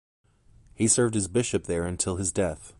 He served as bishop there until his death.